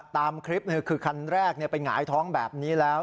ตามคลิปคือคันแรกไปหงายท้องแบบนี้แล้ว